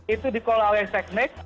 itu dikelola oleh teknik